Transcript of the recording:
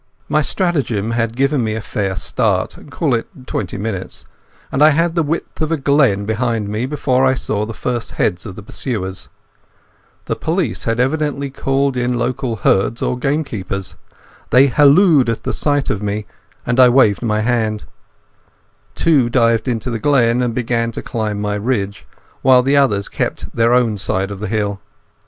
My stratagem had given me a fair start—call it twenty minutes—and I had the width of a glen behind me before I saw the first heads of the pursuers. The police had evidently called in local talent to their aid, and the men I could see had the appearance of herds or gamekeepers. They hallooed at the sight of me, and I waved my hand. Two dived into the glen and began to climb my ridge, while the others kept their own side of the hill.